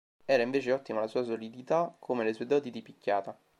Era invece ottima la sua solidità come le sue doti di picchiata.